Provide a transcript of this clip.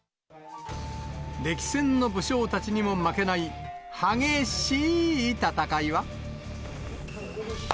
歴戦の武将たちにも負けない、はげ、しい戦いは。